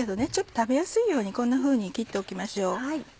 食べやすいようにこんなふうに切っておきましょう。